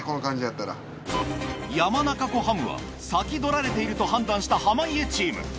山中湖ハムは先取られていると判断した濱家チーム。